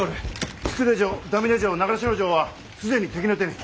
作手城田峯城長篠城は既に敵の手に。